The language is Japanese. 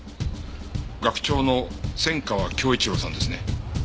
学長の仙川京一郎さんですね。